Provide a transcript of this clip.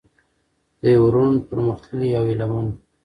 د يو روڼ، پرمختللي او هيله من